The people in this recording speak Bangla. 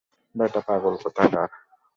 ব্যাটা, পাগল কোথাকার।